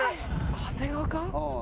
長谷川か？